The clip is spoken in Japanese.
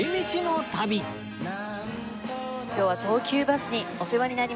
今日は東急バスにお世話になります。